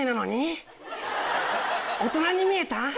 大人に見えた？